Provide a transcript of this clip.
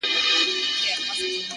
خدايه ښه نـری بـاران پرې وكړې نن،